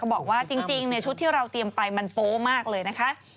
บอกว่าจริงชุดที่เราเตรียมไปมันโป๊มากเลยนะคะ